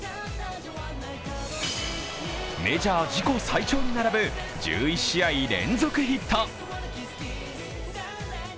メジャー自己最長に並ぶ１１試合連続ヒット。